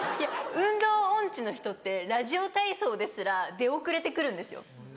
運動オンチの人ってラジオ体操ですら出遅れて来るんですよ。